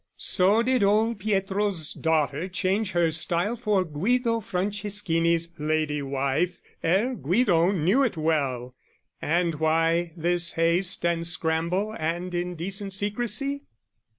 So did old Pietro's daughter change her style For Guido Franceschini's lady wife Ere Guido knew it well; and why this haste And scramble and indecent secrecy?